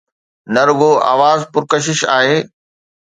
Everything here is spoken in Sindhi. نه رڳو آواز پرڪشش آهي.